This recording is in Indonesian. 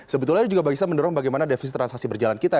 sebetulnya ini juga bisa mendorong bagaimana defisit transaksi berjalan kita